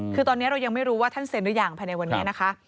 คือตอนนี้เรายังไม่รู้ว่าท่านเซ็นหรือยังภายในวันนี้นะคะ